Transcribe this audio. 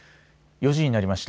４時になりました。